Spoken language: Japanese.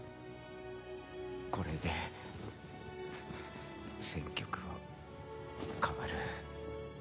これで戦局は変わる。